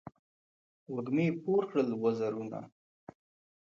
وږمې پور کړل وزرونه